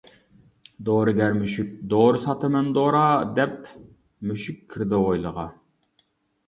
دورىگەر مۈشۈك ‹ ‹دورا ساتىمەن، دورا› › دەپ، مۈشۈك كىردى ھويلىغا.